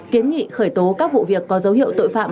kiến nghị khởi tố các vụ việc có dấu hiệu tội phạm